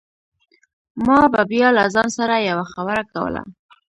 ما به بيا له ځان سره يوه خبره کوله.